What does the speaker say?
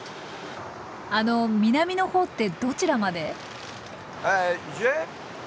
あの南の方ってどちらまで？